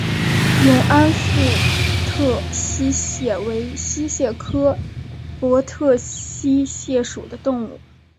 永安博特溪蟹为溪蟹科博特溪蟹属的动物。